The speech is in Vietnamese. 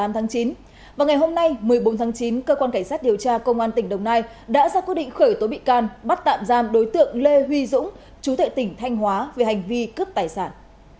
một mươi bốn tháng chín cơ quan cảnh sát điều tra công an tỉnh đồng nai đã ra quyết định khởi tố bị can bắt tạm giam đối tượng lê huy dũng chú thệ tỉnh thanh hóa về hành vi cướp tài sản